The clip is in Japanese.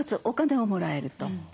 お金をもらえると。